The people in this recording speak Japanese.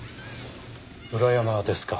裏山ですか。